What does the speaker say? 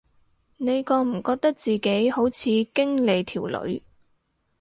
你覺唔覺得自己好似經理條女